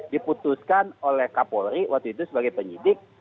diputuskan oleh kapolri waktu itu sebagai penyidik